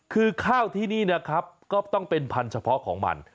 คือข้าวที่นี่นะครับก็ต้องเป็นพันธุ์เฉพาะของมัน